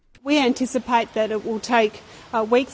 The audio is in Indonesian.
kami mengharapkan bahwa akan membutuhkan beberapa minggu